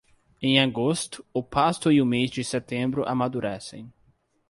Em agosto, o pasto e o mês de setembro amadurecem.